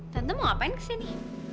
tante mau ngapain kesini